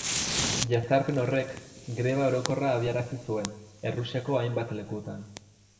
Jazarpen horrek greba orokorra abiarazi zuen Errusiako hainbat lekutan.